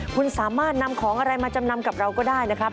คุณสามารถนำของอะไรมาจำนำกับเราก็ได้นะครับ